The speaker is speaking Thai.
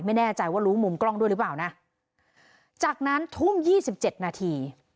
ไม่แน่ใจว่ารู้มุมกล้องด้วยหรือเปล่านะจากนั้นทุ่มยี่สิบเจ็ดนาที